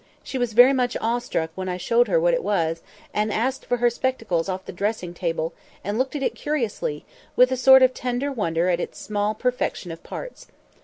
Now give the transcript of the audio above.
She was very much awestruck when I showed her what it was, and asked for her spectacles off the dressing table, and looked at it curiously, with a sort of tender wonder at its small perfection of parts.